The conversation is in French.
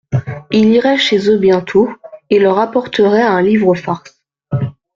Il irait chez eux bientôt, et leur apporterait un livre farce.